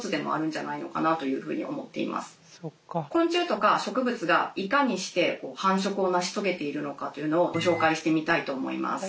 昆虫とか植物がいかにして繁殖を成し遂げているのかというのをご紹介してみたいと思います。